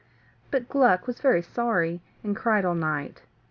But Gluck was very sorry, and cried all night.